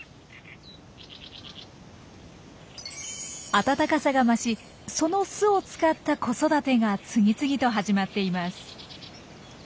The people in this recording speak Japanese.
暖かさが増しその巣を使った子育てが次々と始まっています。